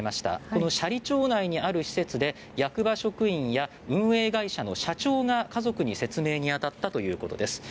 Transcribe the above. この斜里町内にある施設で役場職員や運営会社の社長が家族に説明に当たったということです。